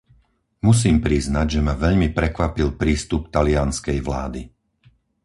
Musím priznať, že ma veľmi prekvapil prístup talianskej vlády.